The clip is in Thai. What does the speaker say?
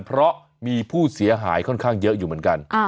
เพราะมีผู้เสียหายค่อนข้างเยอะอยู่เหมือนกัน